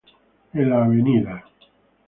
En la Av.